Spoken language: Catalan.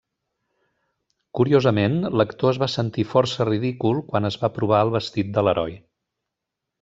Curiosament, l'actor es va sentir força ridícul quan es va provar el vestit de l'heroi.